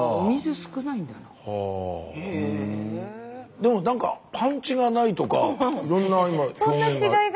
でもなんかパンチがないとかいろんな今表現が。